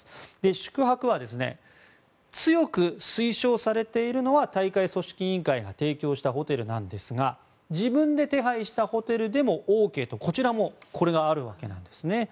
宿泊は強く推奨されているのは大会組織委員会が提供したホテルなんですが自分で手配したホテルでもＯＫとなっています。